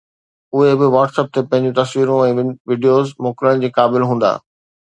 اهي به WhatsApp تي پنهنجون تصويرون ۽ وڊيوز موڪلڻ جي قابل هوندا